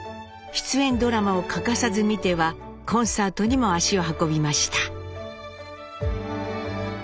出演ドラマを欠かさず見てはコンサートにも足を運びました。